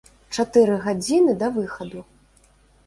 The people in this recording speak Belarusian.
Чатыры гадзіны да выхаду.